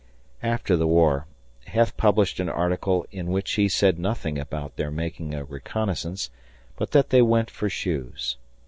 After the war, Heth published an article in which he said nothing about their making a reconnaissance, but that they went for shoes.